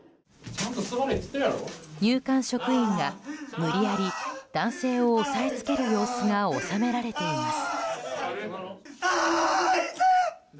入管職員が無理やり男性を押さえつける様子が収められています。